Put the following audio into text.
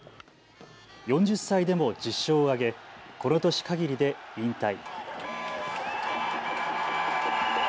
４０歳でも１０勝を挙げこの年かぎりで引退。